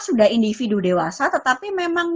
sudah individu dewasa tetapi memang